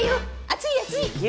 熱い熱い！